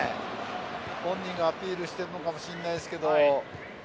本人がアピールをしているのかもしれないですけど。